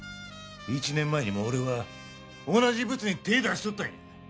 １年前にも俺は同じブツに手ぇ出しとったんや。